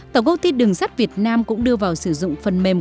tàu gốc thi đường sắt việt nam cũng đưa vào sử dụng phần mềm